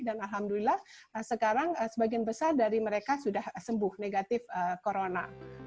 dan alhamdulillah sekarang sebagian besar dari mereka sudah sembuh negatif corona